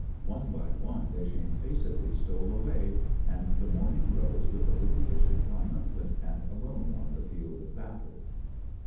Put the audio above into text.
One by one, they shamefacedly stole away, and the morning rose with the little bishop triumphant and alone on the field of battle.